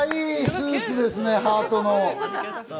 カワイイスーツですね、ハートの。